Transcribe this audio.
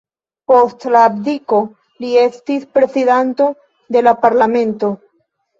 Post la abdiko li estis prezidanto de la parlamento.